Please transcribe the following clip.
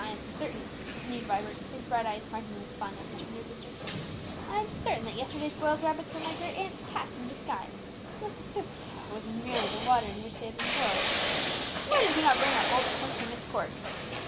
I am certain," continued Vibert, his bright eyes sparkling with fun as he turned to his sister "I am certain that yesterday's boiled rabbits were my great aunt's cats in disguise, and that the soup faugh! was simply the water in which they had been boiled! Why did we not bring our old cook to Myst Court?"